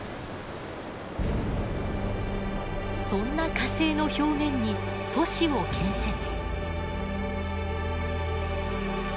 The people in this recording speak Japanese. そんな火星の表面に都市を建設。